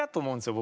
僕。